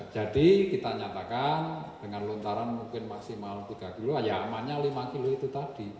jadi kita nyatakan dengan lontaran mungkin maksimal tiga kilo ya amannya lima kilo itu tadi